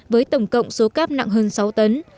với tổng cộng số cáp nặng hơn sáu tấn